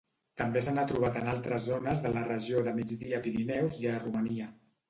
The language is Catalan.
També se n'ha trobat en altres zones de la regió del Migdia-Pirineus i a Romania.